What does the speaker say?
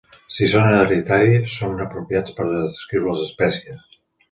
Si són hereditaris, són apropiats per a descriure les espècies.